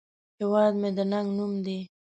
هیواد مې د ننگ نوم دی